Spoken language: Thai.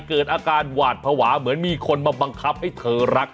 เกิดอาการหวาดภาวะเหมือนมีคนมาบังคับให้เธอรัก